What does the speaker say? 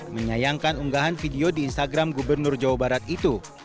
menyayangkan unggahan video di instagram gubernur jawa barat itu